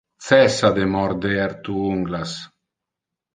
Cessa de morder tu ungulas.